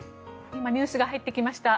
今、ニュースが入ってきました。